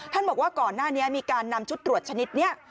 บอกว่าก่อนหน้านี้มีการนำชุดตรวจชนิดนี้